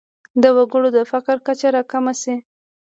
د وګړو د فقر کچه راکمه شي.